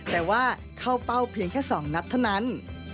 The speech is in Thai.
แต่ว่าเข้าเป้าเพียงแค่๒นัดเท่านั้น